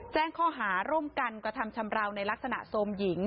แจ้งข้อหาร่วมกันกระทำชำราวในลักษณะโทรมหญิง